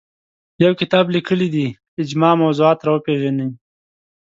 یو کتاب لیکلی دی اجماع موضوعات راوپېژني